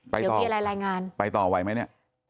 ไปต่อไหวไหมเนี่ย